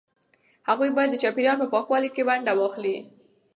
هغوی باید د چاپیریال په پاکوالي کې ونډه واخلي.